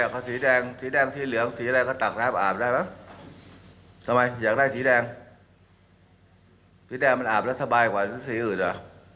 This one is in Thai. พี่แดมมันอาบแล้วสบายกว่าสีอื่นอ่ะ